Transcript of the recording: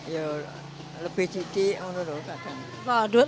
ya lebih sedikit